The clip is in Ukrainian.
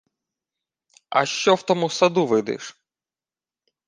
— А що в тому саду видиш?